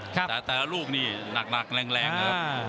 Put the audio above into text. แต่แต่ละลูกนี่หนักแรงนะครับ